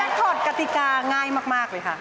รอบแจ็คพอร์ตกฎิกาง่ายมากเลยค่ะ